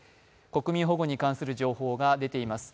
国民保護に関する情報が出ています。